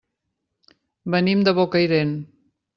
Venim de Bocairent.